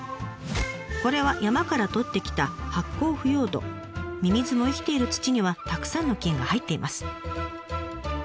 これは山からとってきたミミズも生きている土にはたくさんの菌が入っています。